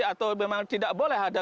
atau memang tidak berhasil